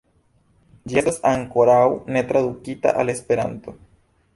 Ĝi estas ankoraŭ ne tradukita al Esperanto.